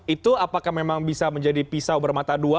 itu apakah memang bisa menjadi pisau bermata dua